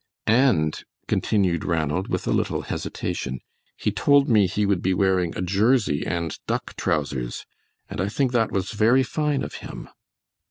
"And," continued Ranald, with a little hesitation, "he told me he would be wearing a jersey and duck trousers, and I think that was very fine of him."